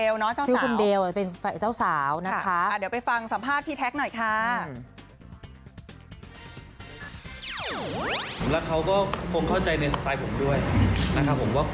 และเขาก็คงเข้าใจในสไตล์ผมด้วย